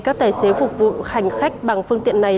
các tài xế phục vụ hành khách bằng phương tiện này